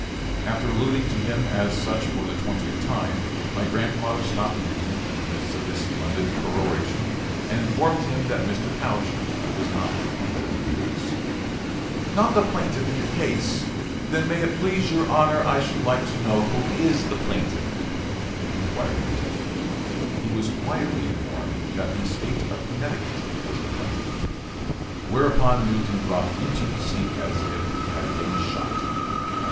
After alluding to him as such for the twentieth time, my grandfather stopped Newton in the midst of his splendid peroration and informed him that Mr. Couch was not the plaintiff in the case. "Not the plaintiff! Then may it please your honor I should like to know who is the plaintiff?" inquired Newton. He was quietly informed that the State of Connecticut was the plaintiff, whereupon Newton dropped into his seat as if he had been shot.